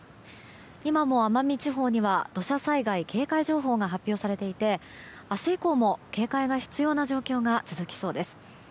今も奄美地方には土砂災害警戒情報が発表されていて明日以降も警戒が必要な状況が続きそうです。